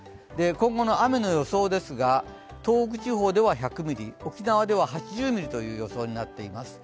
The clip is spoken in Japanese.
今後の雨の予想ですが、東北地方では１００ミリ、沖縄では８０ミリという予想になっています。